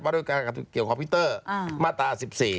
พยมาตรา๑๔